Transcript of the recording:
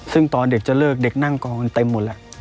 ซึ่งตอนเด็กจะเลิกเด็กนั่งกองกันเต็มหมดแล้ว